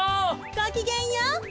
ごきげんよう！